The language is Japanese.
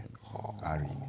ある意味ね。